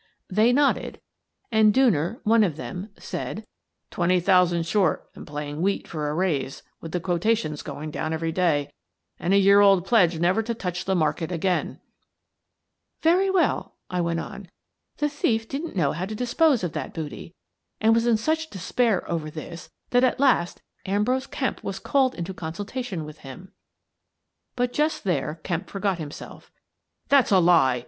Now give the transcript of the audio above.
They nodded, and Dooner, one of them, said: The Last of It 261 " Twenty thousand short and playing wheat for a raise with the quotations going down every day — and a year old pledge never to touch the market again," " Very well," I went on, " the thief didn't know how to dispose of that booty, and was in such despair over this that at last Ambrose Kemp was called into consultation with him." But just there Kemp forgot himself. " That's a lie